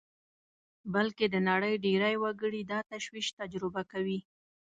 بلکې د نړۍ ډېری وګړي دا تشویش تجربه کوي